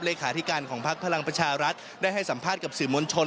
เลขาธิการของพักพลังประชารัฐได้ให้สัมภาษณ์กับสื่อมวลชน